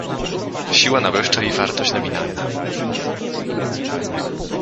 Siła nabywcza i wartość nominalna.